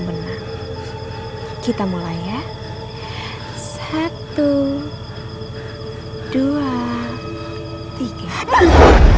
berarti tandanya ibu menang